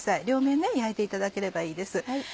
両面焼いていただければいいです。